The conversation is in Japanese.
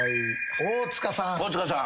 大塚さん。